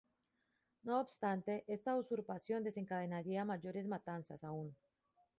No obstante, esta usurpación desencadenaría mayores matanzas aún.